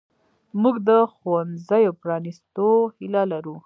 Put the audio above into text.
موږ د ښوونځیو پرانیستو هیله لرو.